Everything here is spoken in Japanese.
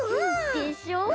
でしょ？